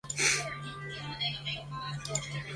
朱高炽遣人驰谕立即发廪赈贷。